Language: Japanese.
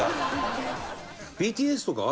ＢＴＳとかは？